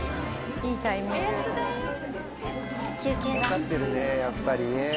分かってるねやっぱりね。